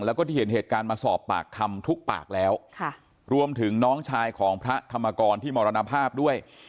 แล้วก็ที่เห็นเหตุการณ์มาสอบปากคำทุกปากแล้วรวมถึงน้องชายของพระธรรมกรที่มรณภาพด้วย